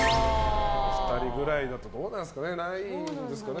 お二人人ぐらいだとどうなんですかね。